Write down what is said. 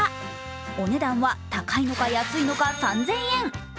お値段は高いのか安いのか３０００円。